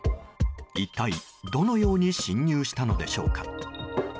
一体、どのように侵入したのでしょうか。